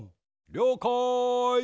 りょうかい。